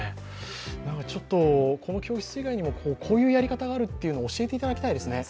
ちょっとこの教室以外にもこういうやり方があるというのを教えていただきたいですね。